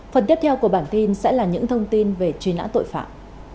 phần tiếp theo của bản tin sẽ là những thông tin về truy nã tội phạm